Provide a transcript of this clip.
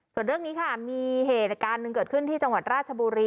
ส่วนเรื่องนี้ค่ะมีเหตุการณ์หนึ่งเกิดขึ้นที่จังหวัดราชบุรี